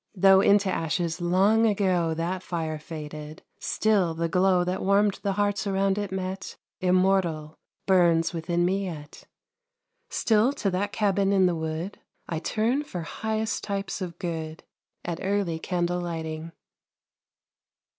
Though into ashes long ago That fire faded, still the glow That warmed the hearts around it met, Immortal, burns within me yet. Still to that cabin in the wood I turn for highest types of good At early candle lighting.